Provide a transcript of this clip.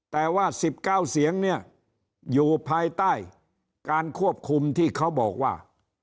แต่ว่า๑๙เสียงเนี่ยอยู่ภายใต้การควบคุมที่เขาบอกว่า